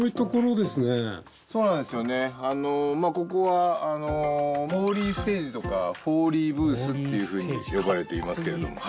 ここはフォーリーステージとかフォーリーブースっていうふうに呼ばれていますけれども。